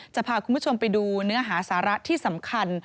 จะพาคุณผู้ชมไปดูเนื้อหาสาระที่สำคัญ